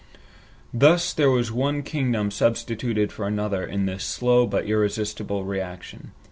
Thus there was one kingdom substituted for another in this slow but irresistible reaction.